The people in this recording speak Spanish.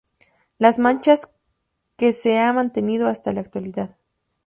Las Manchas que se ha mantenido hasta la actualidad.